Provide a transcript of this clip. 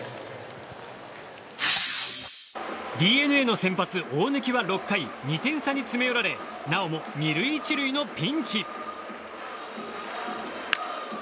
ＤｅＮＡの先発、大貫は１回２点差に詰め寄られなおも２塁１塁のピンチ。